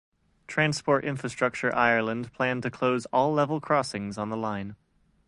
Transport Infrastructure Ireland planned to close all level crossings on the line.